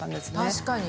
確かに。